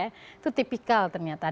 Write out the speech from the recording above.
itu tipikal ternyata